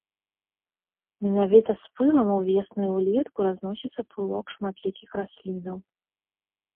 Менавіта з пылам увесну і ўлетку разносіцца пылок шматлікіх раслінаў.